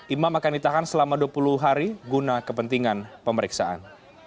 imam akan ditahan selama dua puluh hari guna kepentingan pemeriksaan